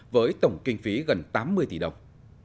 với tổng kinh phí gần tám mươi tỷ đồng